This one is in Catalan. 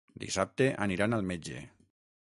Dissabte aniran al metge.